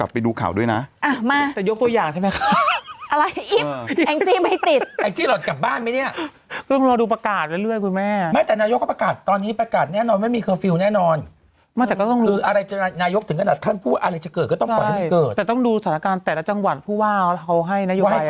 บอกด้วยนะอ่ะมาแต่ยกตัวอย่างใช่ไหมค่ะอะไรอิ๊บแองจี้ไม่ติดแองจี้เราจับบ้านไหมเนี่ยต้องรอดูประกาศเรื่อยคุณแม่ไม่แต่นายกก็ประกาศตอนนี้ประกาศแน่นอนไม่มีเคอร์ฟิลแน่นอนไม่แต่ก็ต้องคืออะไรจะนายกถึงขนาดท่านพูดว่าอะไรจะเกิดก็ต้องก่อนให้มันเกิดแต่ต้องดูสถานการณ์แต่ละจังหวันพูดว่าเขาให้